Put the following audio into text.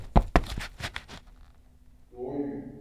犍陀罗语佛教原稿是已发现最早的佛教文献及印度文献。